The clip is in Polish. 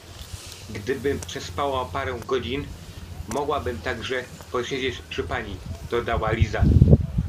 — Gdybym przespała parę godzin, mogłabym także posiedzieć przy pani — dodała Liza.